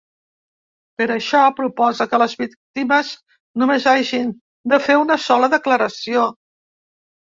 Per això, proposa que les víctimes només hagin de fer una sola declaració.